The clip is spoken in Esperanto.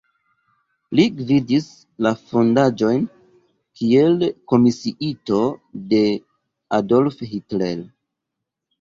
Li gvidis la fondaĵon kiel komisiito de Adolf Hitler.